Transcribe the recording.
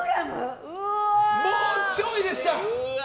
もうちょいでした！